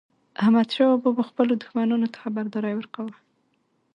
احمدشاه بابا به خپلو دښمنانو ته خبرداری ورکاوه.